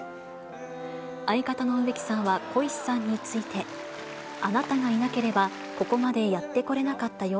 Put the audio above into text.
相方の植木さんは小石さんについて。あなたがいなければ、ここまでやってこれなかったよ。